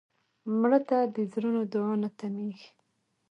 مړه ته د زړونو دعا نه تمېږي